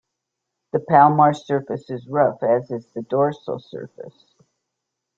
The palmar surface is rough, as is the dorsal surface.